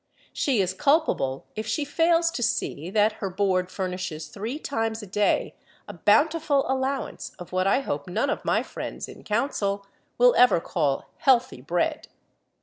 She is culpable if she fails to see that her board furnishes three times a day a bountiful allowance of what I hope none of my friends in council will ever call "healthy bread."